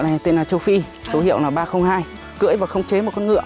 điều khiển ngựa rong rùi khắp nèo đường